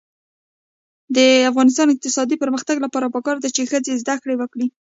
د افغانستان د اقتصادي پرمختګ لپاره پکار ده چې ښځې زده کړې وکړي.